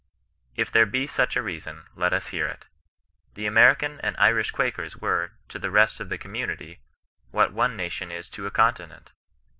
If there be such a reason, let us hear it. The American and Irish Quakers were, to the rest of the com munity, what one nation is to a continent.